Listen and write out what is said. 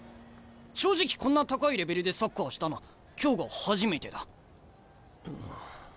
正直こんな高いレベルでサッカーしたの今日が初めてだ！